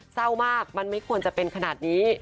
เศร้ามากมันไม่ควรจะเป็นขนาดนี้